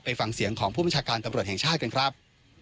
ฟังเสียงของผู้บัญชาการตำรวจแห่งชาติกันครับ